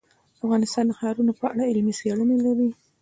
افغانستان د ښارونو په اړه علمي څېړنې لري.